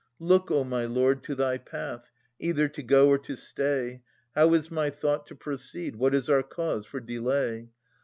Look, O my lord, to thy path. Either to go or to stay : How is my thought to proceed? What is our cause for delay